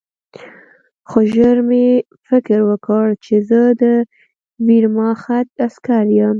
خو ژر مې فکر وکړ چې زه د ویرماخت عسکر یم